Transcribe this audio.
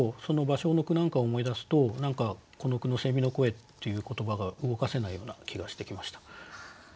その芭蕉の句なんかを思い出すとこの句の「の声」っていう言葉が動かせないような気がしてきました。